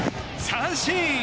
三振！